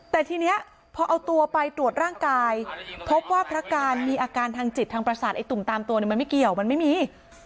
แต่ทีนี้พอเอาตัวไปตรวจร่างกายพบว่าพระการมีอาการทางจิตทางประสาทไอ้ตุ่มตามตัวมันไม่เกี่ยวมันไม่มี